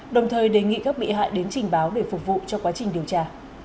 đồng thời đề nghị các bị hại đến trình báo để phục vụ cho quá trình điều tra